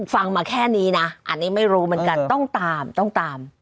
ฟังมาแค่นี้นะอันนี้ไม่รู้เหมือนกันต้องตามต้องตาม